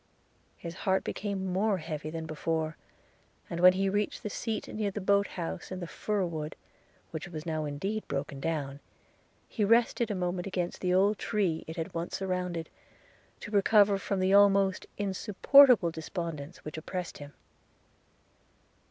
– His heart became more heavy than before; and when he reached the seat near the boat house in the fir wood, which was now indeed broken down, he rested a moment against the old tree it had once surrounded, to recover from the almost insupportable despondence which oppressed him.